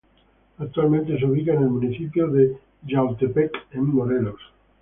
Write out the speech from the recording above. Actualmente se ubica en el municipio de Yautepec en Morelos.